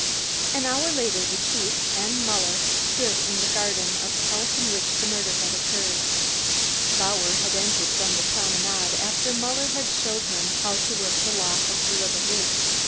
An hour later, the chief of police and Muller stood in the garden of the house in which the murder had occurred. Bauer had entered from the Promenade after Muller had shown him how to work the lock of the little gate.